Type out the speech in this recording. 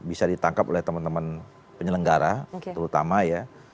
bisa ditangkap oleh teman teman penyelenggara terutama ya